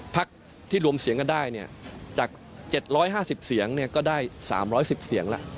พักที่รวมเสียงกันได้จาก๗๕๐เสียงก็ได้๓๑๐เสียงแล้ว